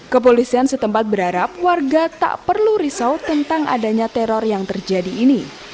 kepolisian setempat berharap warga tak perlu risau tentang adanya teror yang terjadi ini